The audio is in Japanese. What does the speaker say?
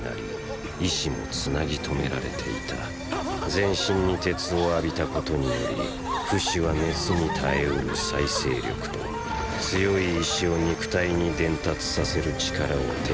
全身に鉄を浴びたことによりフシは熱に耐えうる再生力と強い意志を肉体に伝達させる力を手に入れた。